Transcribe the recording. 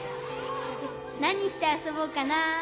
なにしてあそぼうかな。